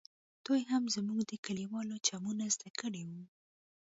دوى هم زموږ د کليوالو چمونه زده کړي وو.